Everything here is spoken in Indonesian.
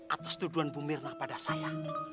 atas tuduhan bumirna pada saya